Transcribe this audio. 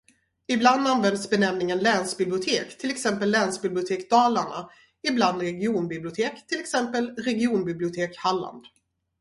Ibland används benämningen länsbibliotek, till exempel Länsbibliotek Dalarna, ibland regionbibliotek, till exempel Regionbibliotek Halland.